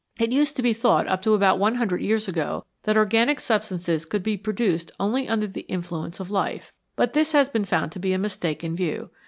It used to be thought up to about one hundred years ago that organic substances could be produced only under the influence of life, but this has been found to be a mistaken view.